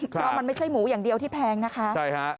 เพราะมันไม่ใช่หมูอย่างเดียวที่แพงนะคะใช่ฮะ